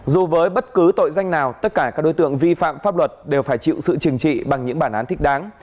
dù với bất cứ tội danh nào tất cả các đối tượng vi phạm pháp luật đều phải chịu sự chừng trị bằng những bản án thích đáng